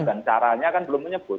dan caranya kan belum menyebut